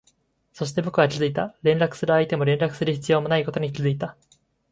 そして、僕は気づいた、連絡する相手も連絡する必要もないことに気づいた